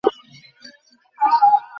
আমি আপনাকে খুঁজে নেবো।